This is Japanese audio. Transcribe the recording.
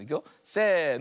せの。